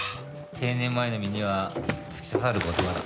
定年前の身には突き刺さる言葉だ。